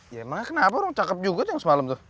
ya emangnya kenapa orang cakep juga tuh yang semalam tuh